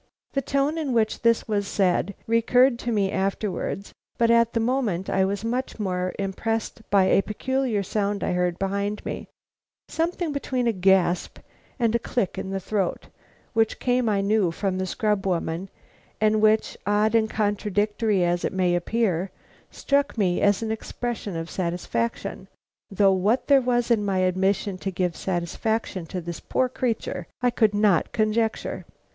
The tone in which this was said recurred to me afterwards, but at the moment I was much more impressed by a peculiar sound I heard behind me, something between a gasp and a click in the throat, which came I knew from the scrub woman, and which, odd and contradictory as it may appear, struck me as an expression of satisfaction, though what there was in my admission to give satisfaction to this poor creature I could not conjecture.